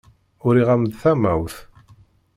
Uriɣ-am-d tamawt.